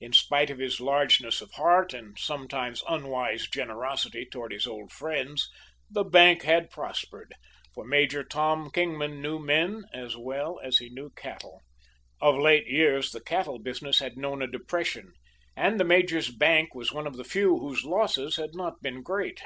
In spite of his largeness of heart and sometimes unwise generosity toward his old friends, the bank had prospered, for Major Tom Kingman knew men as well as he knew cattle. Of late years the cattle business had known a depression, and the major's bank was one of the few whose losses had not been great.